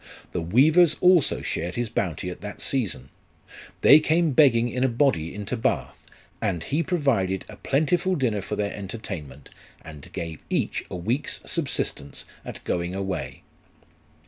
The weavers also shared his bounty at that season. They came begging in a body into Bath, and he provided a plentiful dinner for their entertainment, and gave each a week's subsistence at going away.